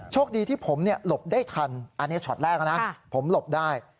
โชคดีที่ผมหลบได้ทันอันนี้ช็อตแรกนะผมหลบได้